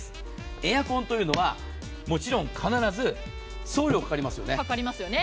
エアコンというのはもちろん、必ず送料かかりますよね。